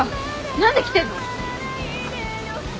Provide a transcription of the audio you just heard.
何で来てんの？